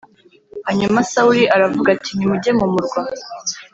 Hanyuma Sawuli aravuga ati nimujye mu murwa